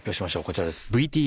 こちらです。